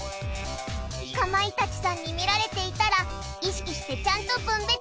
かまいたちさんに見られていたら意識してちゃんと分別するかもね！